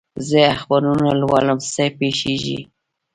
زه اخبارونه لولم، څه پېښېږي؟